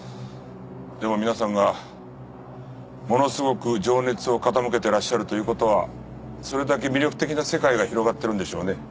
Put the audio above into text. でも皆さんがものすごく情熱を傾けてらっしゃるという事はそれだけ魅力的な世界が広がってるんでしょうね。